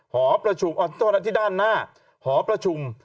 หอประชุมออนโต้ที่ด้านหน้าหอประชุม